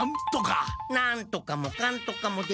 なんとかもかんとかもできません。